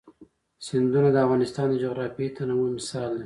سیندونه د افغانستان د جغرافیوي تنوع مثال دی.